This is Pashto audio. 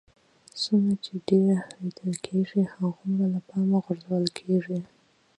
څومره چې ډېر لیدل کېږئ هغومره له پامه غورځول کېږئ